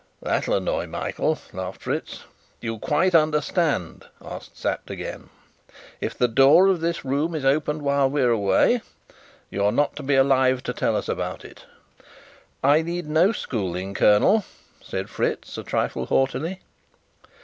"That'll annoy Michael," laughed Fritz. "You quite understand?" asked Sapt again. "If the door of this room is opened while we're away, you're not to be alive to tell us about it." "I need no schooling, colonel," said Fritz, a trifle haughtily.